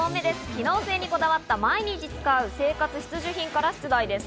機能性にこだわった毎日使う必需品から問題です。